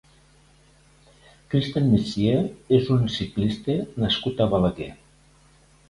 Christian Mencía és un ciclista nascut a Balaguer.